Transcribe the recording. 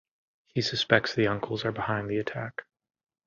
He suspects the uncles are behind the attack.